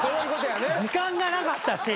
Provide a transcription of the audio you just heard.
時間がなかったし。